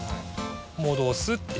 戻すって。